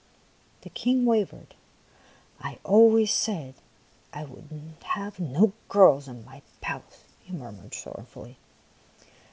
The King wavered. " I always said I would have no girls in my palace," he murmured sorrowfully.